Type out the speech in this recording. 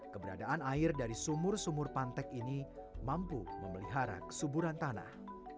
keberadaan air dari sumur sumur pantek ini mampu memelihara kesuburan tanah